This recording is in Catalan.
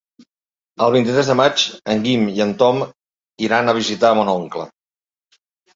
El vint-i-tres de maig en Guim i en Tom iran a visitar mon oncle.